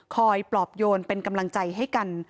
ปลอบโยนเป็นกำลังใจให้กัน